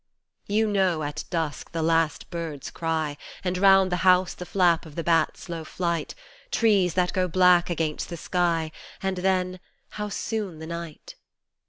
You know, at dusk, the last bird's cry, And round the house the flap of the bat's low flight, Trees that go black against the sky And then how soon the night